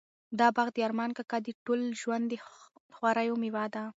دا باغ د ارمان کاکا د ټول ژوند د خواریو مېوه ده.